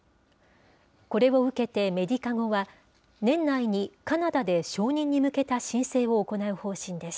これを受けてメディカゴは、年内に、カナダで承認に向けた申請を行う方針です。